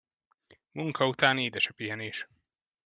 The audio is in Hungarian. Munka után édes a pihenés!